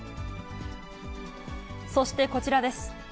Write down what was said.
そしてこちらです。